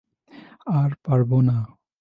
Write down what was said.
আর পারবো না।